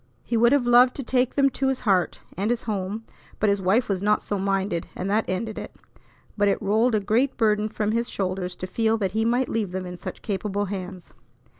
He would have loved to take them to his heart and his home; but his wife was not so minded, and that ended it. But it rolled a great burden from his shoulders to feel that he might leave them in such capable hands.